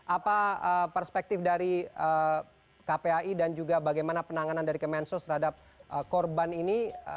apa perspektif dari kpai dan juga bagaimana penanganan dari kemensos terhadap korban ini